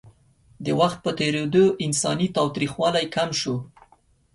د وخت په تېرېدو انساني تاوتریخوالی کم شو.